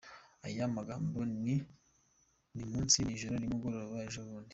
Ayo magambo ni “nimunsi”, “nijoro”, “nimugoroba” “ejobundi”.